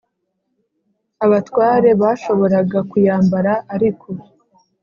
Abatware bashoboraga kuyambara Ariko